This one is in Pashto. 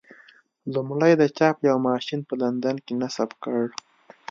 لومړی د چاپ یو ماشین په لندن کې نصب کړل.